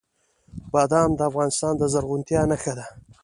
بادام د افغانستان د زرغونتیا نښه ده.